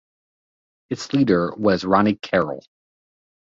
Its leader was Ronnie Carroll.